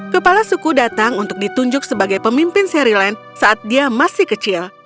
kepala suku datang untuk ditunjuk sebagai pemimpin seri land saat dia masih kecil